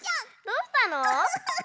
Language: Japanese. どうしたの？